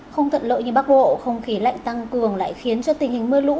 không thuận lợi như bắc bộ không khí lạnh tăng cường lại khiến cho tình hình mưa lũ